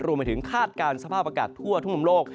รวมไปถึงคาดการณ์สภาพอากาศทั่วทุ่มโลก